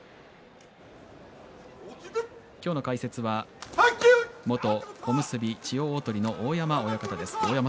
今日の解説は元小結千代鳳の大山親方です。